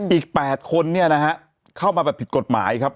อีก๘คนเข้ามาผิดกฎหมายครับ